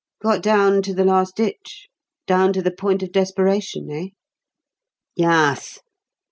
"Got down to the last ditch down to the point of desperation, eh?" "Yuss.